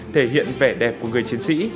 thể hiện vẻ đẹp của người chiến sĩ